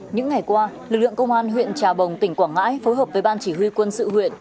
những ngày qua lực lượng công an huyện trà bồng tỉnh quảng ngãi phối hợp với ban chỉ huy quân sự huyện